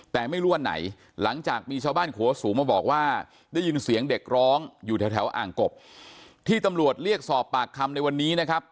แต่ไม่รู้วันไหนหลังจากมีชาวบ้านขัวสูงมาบอกว่าได้ยินเสียงเด็กร้องอยู่แถวอ่างกบที่ตำรวจเรียกสอบปากคำในวันนี้นะครับ